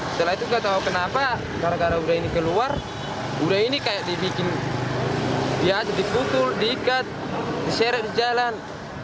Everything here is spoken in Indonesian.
setelah itu gak tau kenapa karena budaya ini keluar budaya ini kayak dibikin ya dikutul diikat diseret jalan